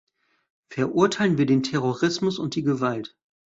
Verurteilen wir den Terrorismus und die Gewalt.